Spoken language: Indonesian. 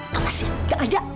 kamu sih enggak ada